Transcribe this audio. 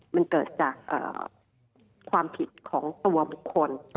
มันเกิดจากความผิดของตัวบุคคล